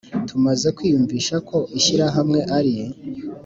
Tumaze kwiyumvisha ko ishyirahamwe ari